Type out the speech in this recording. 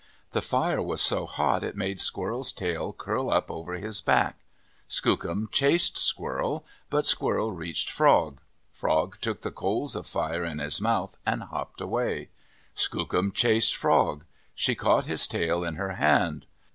The fire was so hot it made Squirrel's tail curl up over his back. Skookum chased Squirrel. But Squirrel reached Frog. Frog took the coals of fire in his mouth and hopped away. Skookum chased Frog. She caught his tail in her hand.